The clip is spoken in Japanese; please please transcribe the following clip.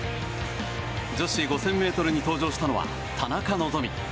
女子５０００ｍに登場したのは田中希実。